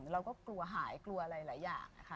เราก็กลัวหายกลัวอะไรหลายอย่างนะคะ